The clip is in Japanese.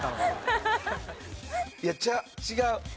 いや違う。